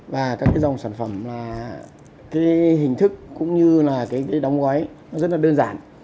và các cái dòng sản phẩm là cái hình thức cũng như là cái đóng gói nó rất là đơn giản